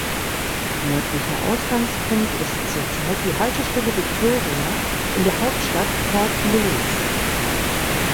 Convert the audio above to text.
Nördlicher Ausgangspunkt ist zurzeit die Haltestelle Victoria in der Hauptstadt Port Louis.